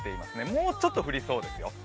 もうちょっと降りそうですよ。